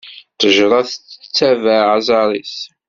Ttejṛa tettabeɛ aẓar-is.